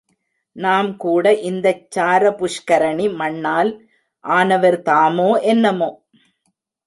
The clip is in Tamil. நாம் கூட இந்தச் சாரபுஷ்கரணி மண்ணால் ஆனவர் தாமோ என்னமோ!